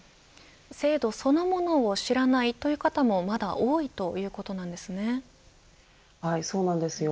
制度そのものを知らないという方もはい、そうなんですよ。